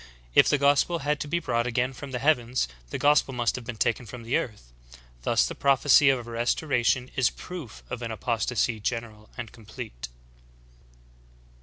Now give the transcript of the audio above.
If the gospel had to be brought again from the heavens, the gospel must have been taken from the earth. Thus the prophecy of a restoration is proof of an apostasy general and complete.